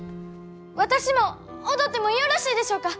私も踊ってもよろしいでしょうか！